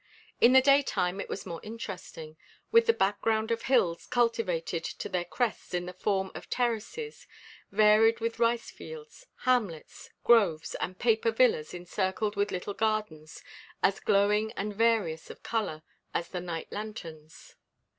In the daytime it was more interesting, with the background of hills cultivated to their crests in the form of terraces, varied with rice fields, hamlets, groves, and paper villas encircled with little gardens as glowing and various of color as the night lanterns.